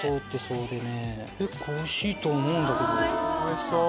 おいしそう！